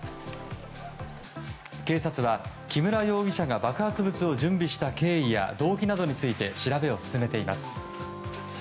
警察は木村容疑者が、爆発物を準備した経緯や動機などについて調べを進めています。